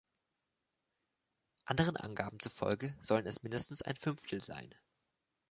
Anderen Angaben zufolge sollen es mindestens ein Fünftel sein.